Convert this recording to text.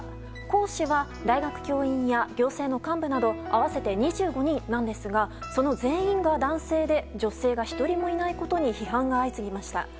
講師は大学教員や行政の幹部など合わせて２５人なんですがその全員が男性で女性が１人もいないことに批判が相次ぎました。